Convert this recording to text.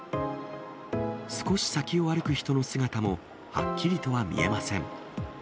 少し先を歩く人の姿も、はっきりとは見えません。